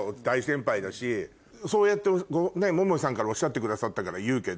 そうやって桃井さんからおっしゃってくださったから言うけど。